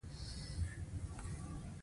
ډاکتر بلال و.